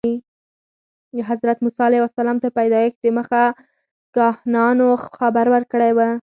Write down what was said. د حضرت موسی علیه السلام تر پیدایښت دمخه کاهنانو خبر ورکړی و.